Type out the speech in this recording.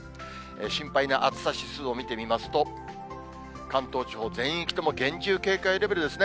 心配な暑さ指数を見てみますと、関東地方全域とも、厳重警戒レベルですね。